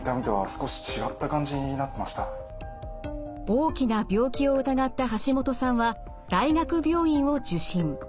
大きな病気を疑ったハシモトさんは大学病院を受診。